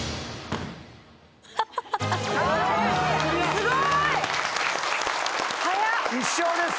すごい！１笑です。